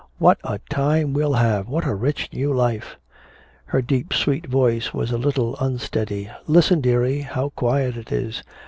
"What a time we'll have, what a rich new life." Her deep sweet voice was a little unsteady. "Listen, dearie, how quiet it is."